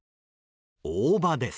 大葉です。